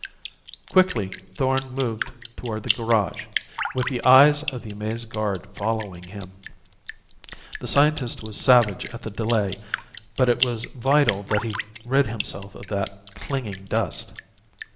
Quickly Thorn moved toward the garage, with the eyes of the amazed guard following him. The scientist was savage at the delay; but it was vital that he rid himself of that clinging dust.